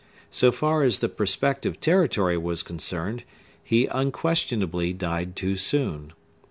So far as the prospective territory was concerned, he unquestionably died too soon.